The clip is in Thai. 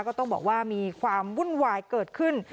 ก็ต้องบอกว่ามีความวุ่นวายเกิดขึ้น